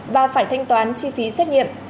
và phải thanh toán chi phí xét nghiệm